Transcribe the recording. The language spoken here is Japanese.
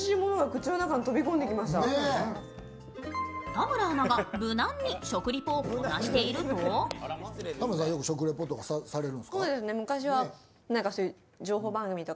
田村アナが無難に食リポをこなしていると優しい、ある？